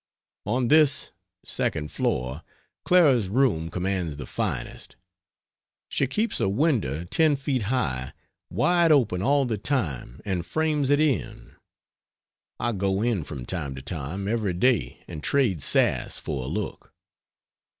On this (second) floor Clara's room commands the finest; she keeps a window ten feet high wide open all the time and frames it in. I go in from time to time, every day and trade sass for a look.